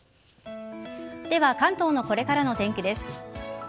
では、関東のこれからのお天気です。